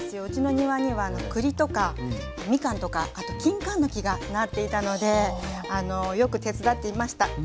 うちの庭にはくりとかみかんとかあときんかんの木がなっていたのでよく手伝っていました。